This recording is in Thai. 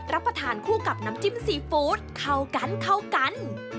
รับประทานคู่กับน้ำจิ้มซีฟู้ดเข้ากันเข้ากัน